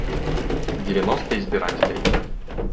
Девяносто избирателей